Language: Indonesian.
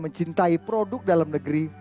mencintai produk dalam negeri